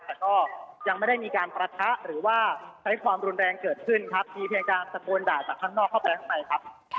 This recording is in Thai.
แต่ก็ยังไม่ได้มีการประทะหรือว่าใช้ความรุนแรงเกิดขึ้นครับมีเพียงการตะโกนด่าจากข้างนอกเข้าไปข้างในครับ